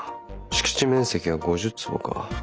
敷地面積は５０坪か。